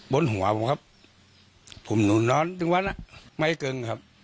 บนหัวผมครับผมหนุนนอนถึงวัดไม่เกรงครับ